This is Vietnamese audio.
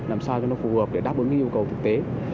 làm sao cho nó phù hợp để đáp ứng cái yêu cầu thực tế